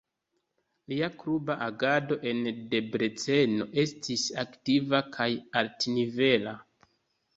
Lia kluba agado en Debreceno estis aktiva kaj altnivela.